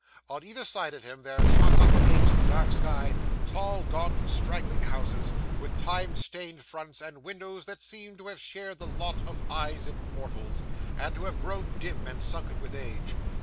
On either side of him, there shot up against the dark sky, tall, gaunt, straggling houses, with time stained fronts, and windows that seemed to have shared the lot of eyes in mortals, and to have grown dim and sunken with age.